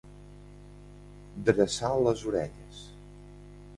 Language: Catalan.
Dreçar les orelles.